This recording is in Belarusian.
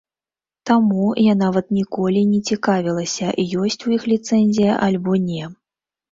Таму, я нават ніколі і не цікавілася ёсць у іх ліцэнзія альбо не.